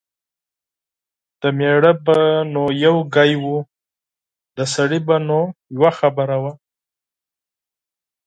د مېړه به نو یو ګای و . د سړي به نو یوه خبره وه